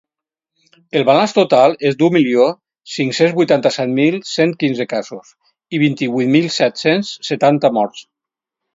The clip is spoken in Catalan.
El balanç total és d’u milions cinc-cents vuitanta-set mil cent quinze casos i vint-i-vuit mil set-cents setanta morts.